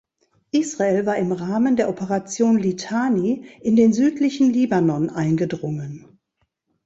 Israel war im Rahmen der Operation Litani in den südlichen Libanon eingedrungen.